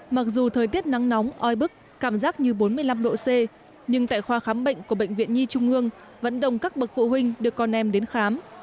mặc dù thời tiết nắng nóng oi bức cảm giác như bốn mươi năm độ c nhưng tại khoa khám bệnh của bệnh viện nhi trung ương vẫn đồng các bậc phụ huynh được con em đến khám